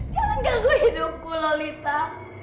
jangan ganggu hidupku lolita